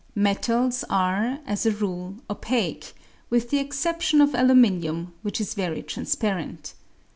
Metals are, as a rule, opaque, with the exception of aluminium, which is very transparent.